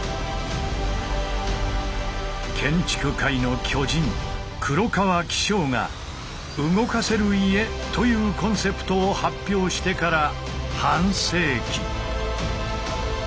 建築界の巨人黒川紀章が「動かせる家」というコンセプトを発表してから半世紀。